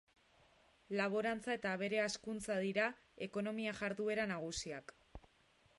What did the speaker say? Laborantza eta abere hazkuntza dira ekonomia jarduera nagusiak.